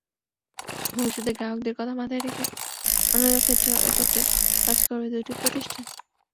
ভবিষ্যতে গ্রাহকদের কথা মাথায় রেখে অন্যান্য ক্ষেত্রেও একত্রে কাজ করবে দুটি প্রতিষ্ঠান।